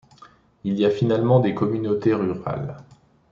Il y a finalement des communautés rurales.